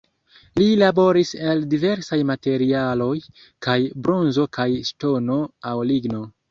Li laboris el diversaj materialoj, kaj bronzo kaj ŝtono aŭ ligno.